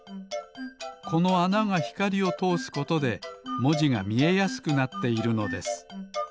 このあながひかりをとおすことでもじがみえやすくなっているのです。